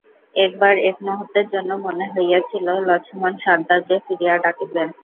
এক বার এক মুহূর্তের জন্য মনে হইয়াছিল লছমন সর্দারকে ফিরিয়া ডাকিবেন।